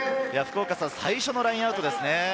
最初のラインアウトですね。